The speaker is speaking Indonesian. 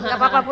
gak apa apa bu